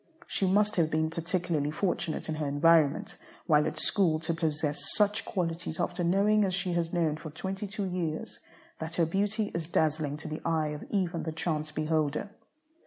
She must have been particularly fortunate in her environment while at school to possess such qualities after knowing as she has known for twenty two years that her beauty is dazzling to the eye of even the chance beholder.